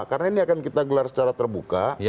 karena ini akan kita gelar secara terbuka